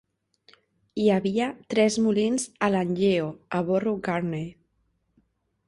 Hi havia tres molins a Land Yeo, a Barrow Gurney.